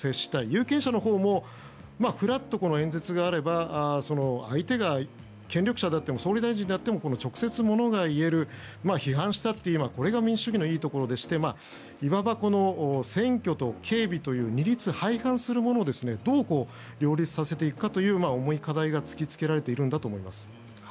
有権者のほうもふらっと演説があれば相手が権力者であっても総理大臣であっても直接ものが言える批判したっていうのはこれが民主主義のいいところでしていわば、この選挙と警備という二律背反するものをどう両立させていくかという重い課題が突きつけられているんだと思います。